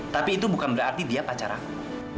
tapi itu bukan berarti dia pacar aku